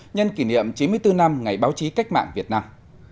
nhân kỷ niệm chín mươi bốn năm ngày báo chí cách mạng việt nam